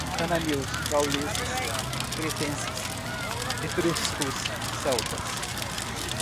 Cananeus, gauleses, cretenses, etruscos, celtas